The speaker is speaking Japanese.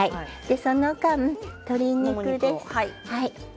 その間に鶏肉です。